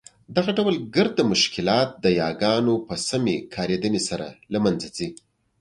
دغه ډول ګرده مشکلات د یاګانو په سمي کارېدني سره له مینځه ځي.